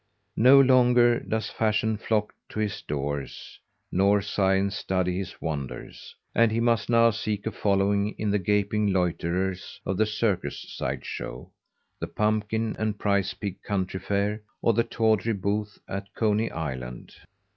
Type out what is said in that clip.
No longer does fashion flock to his doors, nor science study his wonders, and he must now seek a following in the gaping loiterers of the circus side show, the pumpkin and prize pig country fair, or the tawdry booth at Coney Island.